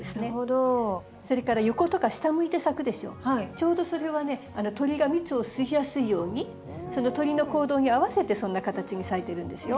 ちょうどそれはね鳥が蜜を吸いやすいようにその鳥の行動に合わせてそんな形に咲いてるんですよ。